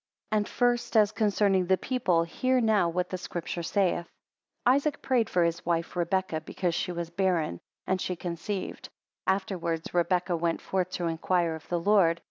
2 And first, as concerning the people, hear now what the Scripture saith: 3 Isaac prayed for his wife Rebekah, because she was barren; and she conceived. Afterwards Rebekah went forth to inquire of the Lord.